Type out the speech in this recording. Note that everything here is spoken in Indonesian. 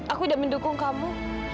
aku udah mendukung kamu